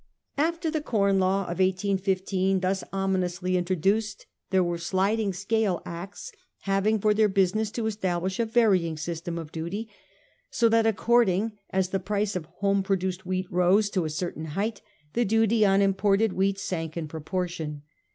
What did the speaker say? After the Corn Law of 1815, thus ominously introduced, there were Sliding Scale Acts, having for their business to establish a varying system of duty, so that, according as the price of home produced wheat rose to a certain height, the duty on imported *wheat sank in proportion.